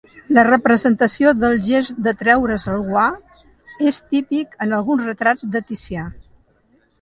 La representació del gest de treure's el guant és típic en alguns retrats de Ticià.